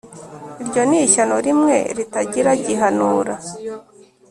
Iryo ni ishyano rimwe ritagira gihanura